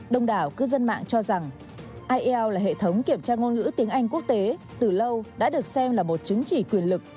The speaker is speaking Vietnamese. đông đảo cư dân mạng cho rằng ielts là hệ thống kiểm tra ngôn ngữ tiếng anh quốc tế từ lâu đã được xem là một chứng chỉ quyền lực